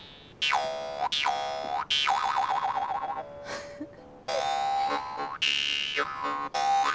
フフフ！